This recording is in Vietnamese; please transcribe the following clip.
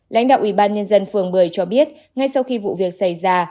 lãnh đạo ubnd phường bưởi cho biết ngay sau khi vụ việc xảy ra